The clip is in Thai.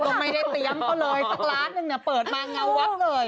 ก็ไม่ได้เตรียมเขาเลยสักล้านหนึ่งเนี่ยเปิดมาเงาวับเลย